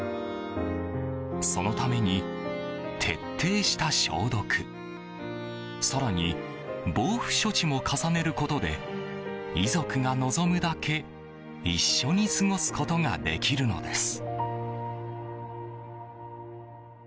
そのために、徹底した消毒更に、防腐処置も重ねることで遺族が望むだけ一緒に過ごすことができるのです。